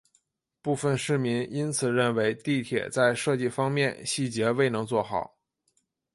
部分市民因此认为地铁在设计方面细节未能做好。